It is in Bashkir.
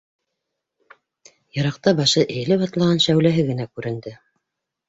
Йыраҡта башы эйелеп атлаған шәүләһе генә күренде.